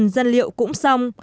dân liệu cũng xong